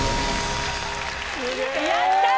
やったー！